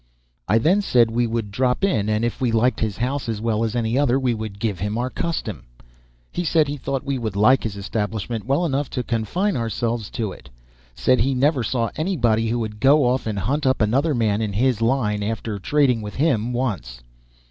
I then said we would drop in, and if we liked his house as well as any other, we would give him our custom. He said he thought we would like his establishment well enough to confine ourselves to it said he never saw anybody who would go off and hunt up another man in his line after trading with him once.